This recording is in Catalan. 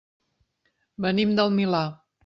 Venim del Milà.